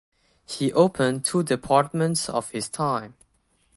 He opened two departments of his time.